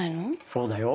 そうだよ。